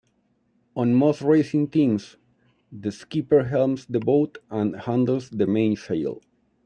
On most racing teams, the skipper helms the boat and handles the mainsail.